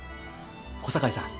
小堺さん